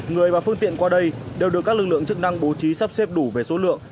người và phương tiện qua đây đều được các lực lượng chức năng bố trí sắp xếp đủ về số lượng